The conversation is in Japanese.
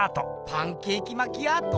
パンケーキマキアート？